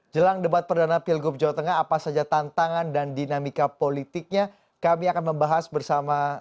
jelang debat perdana pilgub jawa tengah apa saja tantangan dan dinamika politiknya kami akan membahas bersama